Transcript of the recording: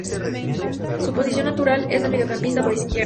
Su posición natural es de mediocampista por izquierda.